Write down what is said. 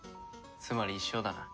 つまり一生だな。